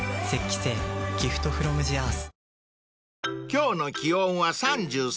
［今日の気温は３３℃。